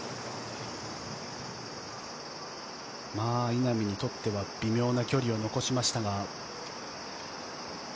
稲見にとっては微妙な距離を残しましたが。